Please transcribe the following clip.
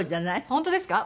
本当ですか？